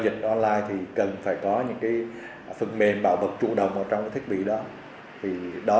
dịch online thì cần phải có những cái phần mềm bảo vật chủ động vào trong cái thiết bị đó thì đó